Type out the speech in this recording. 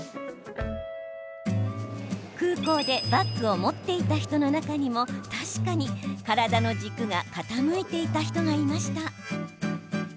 空港でバッグを持っていた人の中にも確かに体の軸が傾いていた人がいました。